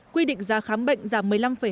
quy định giá khám bệnh giảm một mươi năm năm